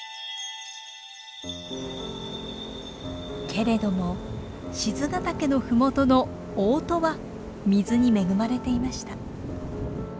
けれども賤ヶ岳の麓の大音は水に恵まれていました。